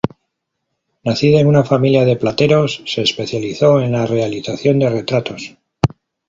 Nacida en una familia de plateros, se especializó en la realización de retratos.